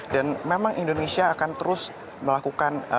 dan memang indonesia akan terus melakukan